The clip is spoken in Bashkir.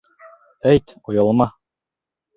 Әйт, оялма...